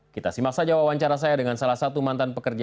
kita simak saja wawancara saya dengan salah satu mantan pekerja